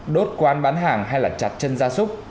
đốt quán bán hàng hay là chặt chân gia súc